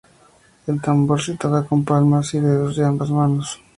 El tambor se toca con las palmas y dedos de ambas manos.